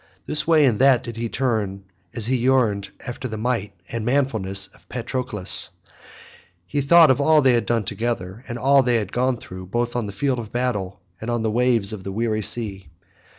This way and that did he turn as he yearned after the might and manfulness of Patroclus; he thought of all they had done together, and all they had gone through both on the field of battle and on the waves of the weary sea.